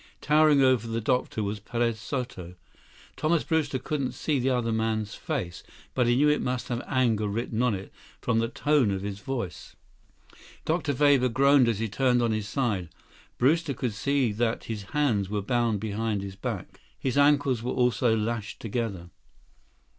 Towering over the doctor was Perez Soto. Thomas Brewster couldn't see the other man's face, but he knew it must have anger written on it from the tone of his voice. Dr. Weber groaned as he turned on his side. Brewster could see that his hands were bound behind his back. His ankles were also lashed together.